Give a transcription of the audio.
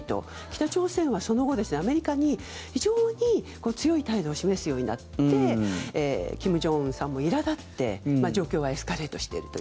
北朝鮮はその後、アメリカに非常に強い態度を示すようになって金正恩さんも、いら立って状況がエスカレートしていると。